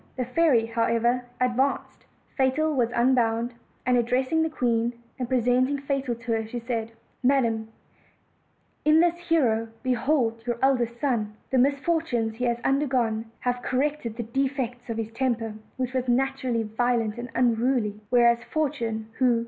The fairy, however, advanced; Fatal was un bound, and addressing the queen, and presenting Fatal to her, she said: "Madam, in this hero behold your eld est son; the misfortunes he has undergone have corrected the defects of his temper, which was naturally violent and unruly; whereas Fortune, who.